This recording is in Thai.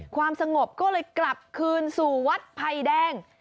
ความสงบก็เลยกลับคืนสู่วัดภัยแดง